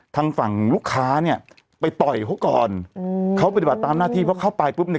ทางฝั่งลูกค้าเนี่ยไปต่อยเขาก่อนอืมเขาปฏิบัติตามหน้าที่เพราะเข้าไปปุ๊บเนี่ย